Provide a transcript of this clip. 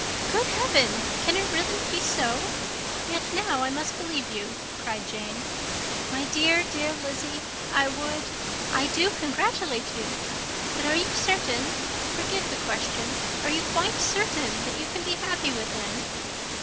"Good heaven! can it be really so? Yet now I must believe you," cried Jane. "My dear, dear Lizzy, I would, I do congratulate you; but are you certain forgive the question are you quite certain that you can be happy with him?"